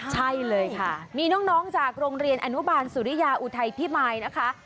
ใช่เลยค่ะมีน้องจากโรงเรียนอนุบาลสุริยาอุทัยพิมายนะคะ